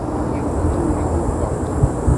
Yiwen ur y-iwefeq.